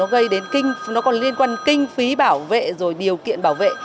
gây đến kinh nó còn liên quan kinh phí bảo vệ rồi điều kiện bảo vệ